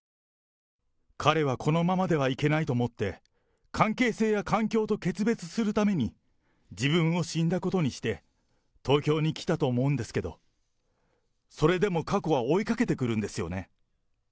彼はこのままではいけないと思って、関係性や環境と決別するために、自分を死んだことにして、東京に来たと思うんですけど、それでも過去は追いかけてくるんですよね。